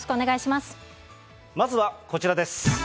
まずはこちらです。